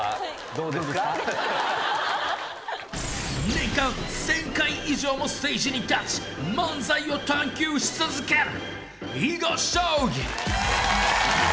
［年間１，０００回以上もステージに立ち漫才を探究し続ける］